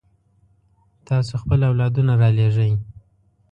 تاسو خپل اولادونه رالېږئ.